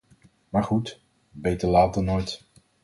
Maar goed: beter laat dan nooit.